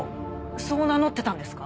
そう名乗ってたんですか？